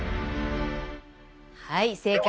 はい正解。